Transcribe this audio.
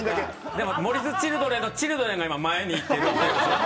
でもモリスチルドレンのチルドレンが今前にいってる状況。